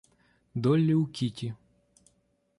Долли у Кити.